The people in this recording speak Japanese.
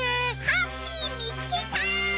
ハッピーみつけた！